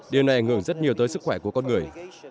điều này ảnh hưởng rất nhiều tới sức khỏe của con người